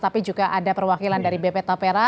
tapi juga ada perwakilan dari bp tapera